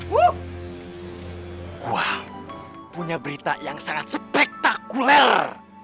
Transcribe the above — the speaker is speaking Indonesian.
wow wah punya berita yang sangat spektakuler